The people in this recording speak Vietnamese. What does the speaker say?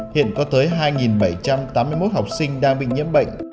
hiện có tới hai bảy trăm tám mươi một học sinh đang bị nhiễm bệnh